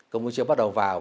campuchia bắt đầu vào